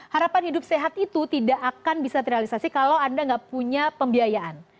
harapan hidup sehat itu tidak akan bisa terrealisasi kalau anda nggak punya pembiayaan